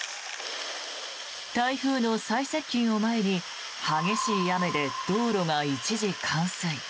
台風の最接近を前に激しい雨で道路が一時冠水。